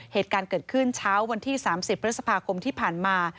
เหตุการณ์เกิดขึ้นเช้าวันที่๓๐พฤษภาคมที่ผ่านมา